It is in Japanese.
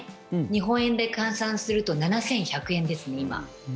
日本円で換算すると７１００円ですね、今。